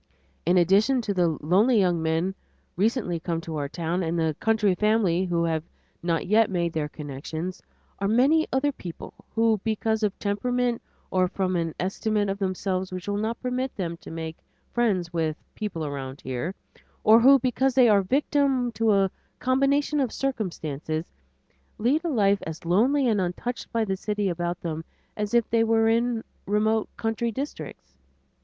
In addition to the lonely young man recently come to town, and the country family who have not yet made their connections, are many other people who, because of temperament or from an estimate of themselves which will not permit them to make friends with the "people around here," or who, because they are victims to a combination of circumstances, lead a life as lonely and untouched by the city about them as if they were in remote country districts.